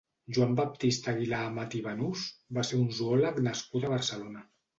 Joan Baptista Aguilar-Amat i Banús va ser un zoòleg nascut a Barcelona.